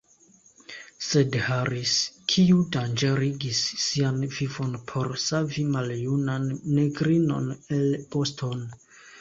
Sed Harris, kiu danĝerigis sian vivon por savi maljunan negrinon el Boston!